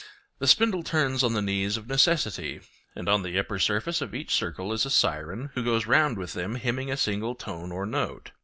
The spindle turns on the knees of Necessity; and on the upper surface of each circle is a siren, who goes round with them, hymning a single tone or note.